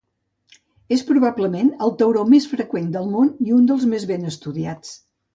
És, probablement, el tauró més freqüent del món i un dels més ben estudiats.